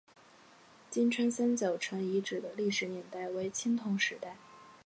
金川三角城遗址的历史年代为青铜时代。